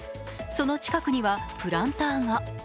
その近くにはプランターが。